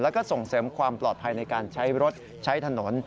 แล้วก็ส่งเสริมความปลอดภัยในการใช้รถใช้ถนน